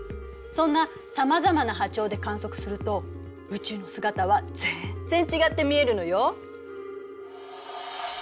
そんなさまざまな波長で観測すると宇宙の姿は全然違って見えるのよ。